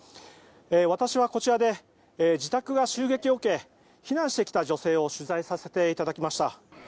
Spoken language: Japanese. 私はこちらで自宅が襲撃を受け避難してきた女性を取材させていただきました。